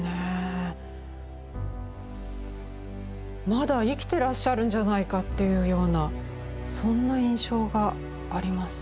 まだ生きてらっしゃるんじゃないかっていうようなそんな印象があります。